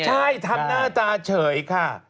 ใช่ทำหน้าตาเฉยค่ะ